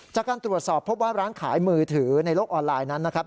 จากการตรวจสอบพบว่าร้านขายมือถือในโลกออนไลน์นั้นนะครับ